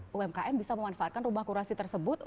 umkm bisa memanfaatkan rumah kurasi tersebut